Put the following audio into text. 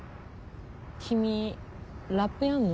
君ラップやんの？